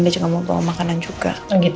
dia juga mau bawa makanan juga